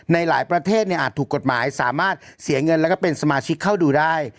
ในหลายประเทศอาจถูกกฎหมายสามารถเสียเงินแล้วก็เป็นสมาชิกเข้าดูได้